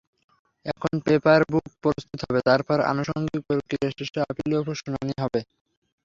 এখন পেপারবুক প্রস্তুত হবে, তারপর আনুষঙ্গিক প্রক্রিয়া শেষে আপিলের ওপর শুনানি হবে।